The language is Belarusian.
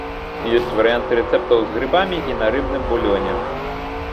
Ёсць варыянты рэцэптаў з грыбамі і на рыбным булёне.